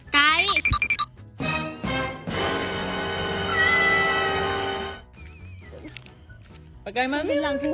ไกล